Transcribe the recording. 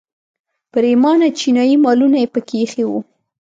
پریمانه چینایي مالونه یې په کې ایښي وو.